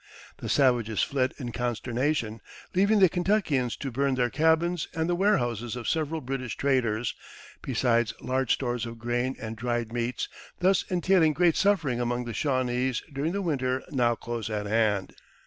The savages fled in consternation, leaving the Kentuckians to burn their cabins and the warehouses of several British traders, besides large stores of grain and dried meats, thus entailing great suffering among the Shawnese during the winter now close at hand.